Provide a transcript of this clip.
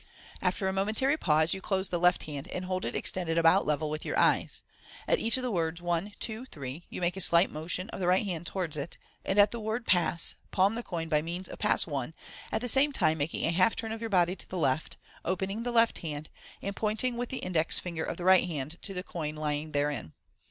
After a momentary pause, you close the left hand, and hold it extended about level with your eyes. At each of the words, " One, two, three," you make a slight motion of the right hand towards it, and at the word u Pass," palm the coin by means of Pass 1, at the same time making a half turn of your body to the left, opening the left hand, and point ing with the index finger of the right hand to the coin lying therein.